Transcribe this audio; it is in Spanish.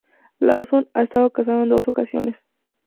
Lawson ha estado casado en dos ocasiones.